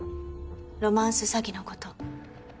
ロマンス詐欺のこと。